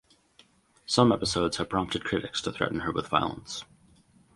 Some episodes have prompted critics to threaten her with violence.